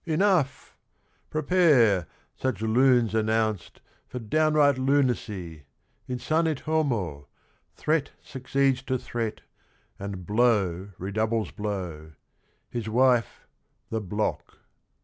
'' Enough ! Prepare, Such lunes announced, for downright lunacy I Insanit homo, threat succeeds to threat, And blow redoubles blow, — his wife, the block.